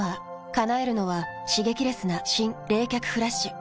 叶えるのは刺激レスな新・冷却フラッシュ。